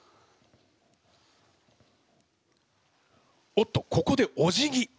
おっとここでおじぎ。